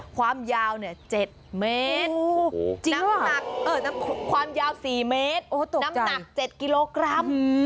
ความยาว๗เมตรน้ำความยาว๔เมตรน้ำหนัก๗กิโลกรัม